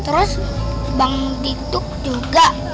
terus bang dituk juga